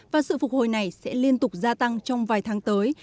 và sự phục hồi này sẽ liên tục gia tăng trong vài tháng tới